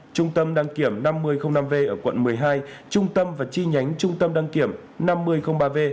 trung tâm đăng kiểm năm v ở quận một mươi hai trung tâm và chi nhánh trung tâm đăng kiểm năm mươi ba v